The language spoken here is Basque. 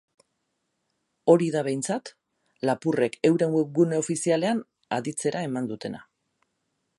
Hori da behintzat, lapurtarrek euren webgune ofizialean aditzera eman dutena.